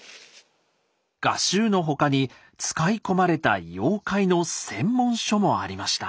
画集の他に使い込まれた妖怪の専門書もありました。